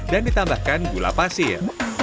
dan ditambahkan gula pasir